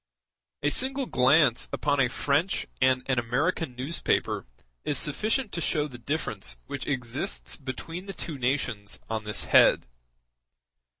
A single glance upon a French and an American newspaper is sufficient to show the difference which exists between the two nations on this head.